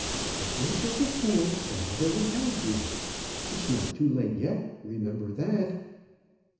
"If you're such a fool, I never will have you. It's not too late yet, remember that."